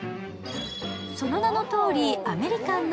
その名のとおり、アメリカンな